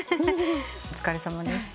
お疲れさまでした。